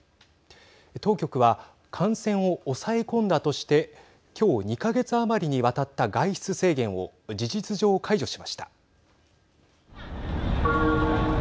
当局は、感染を抑え込んだとしてきょう、２か月余りにわたった外出制限を事実上解除しました。